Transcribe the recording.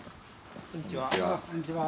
こんにちは。